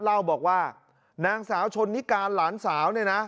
เล่าบอกว่านางสาวชนนิการหลานสาวเนี่ยนะ